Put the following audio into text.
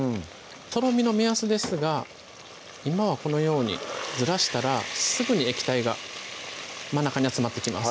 とろみの目安ですが今はこのようにずらしたらすぐに液体が真ん中に集まってきます